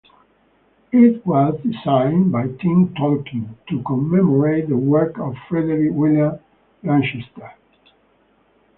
It was designed by Tim Tolkien to commemorate the work of Frederick William Lanchester.